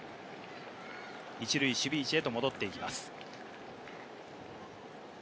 １塁・守備位置へと戻っていきます。